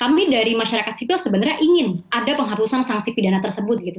kami dari masyarakat sipil sebenarnya ingin ada penghapusan sanksi pidana tersebut gitu